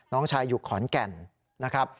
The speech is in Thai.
น้องชายอยู่ขอนแก่นนะครับ